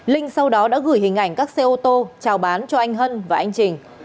linh sau đó đã gửi hình ảnh các xe ô tô trào bán cho anh hân và anh trình